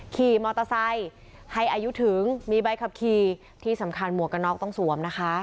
ขี่มอเตอร์ไซค์ให้อายุถึงมีใบขับขี่ที่สำคัญหมวกกันน็อกต้องสวมนะคะ